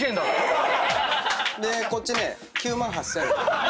でこっちね９万８，０００円。